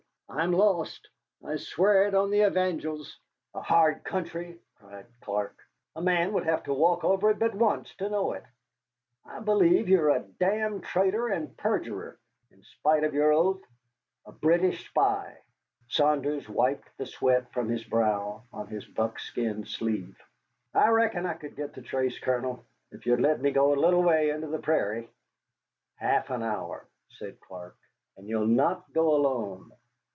"I'm lost. I swear it on the evangels." "A hard country!" cried Clark. "A man would have to walk over it but once to know it. I believe you are a damned traitor and perjurer, in spite of your oath, a British spy." Saunders wiped the sweat from his brow on his buckskin sleeve. "I reckon I could get the trace, Colonel, if you'd let me go a little way into the prairie." "Half an hour," said Clark, "and you'll not go alone."